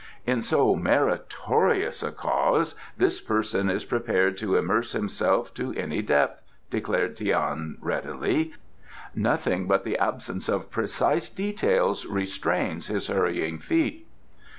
"In so meritorious a cause this person is prepared to immerse himself to any depth," declared Tian readily. "Nothing but the absence of precise details restrains his hurrying feet."